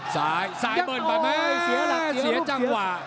สายสายเบิดมาแม่เสียจังหวะ